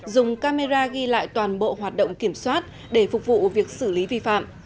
dùng camera ghi lại toàn bộ hoạt động kiểm soát để phục vụ việc xử lý vi phạm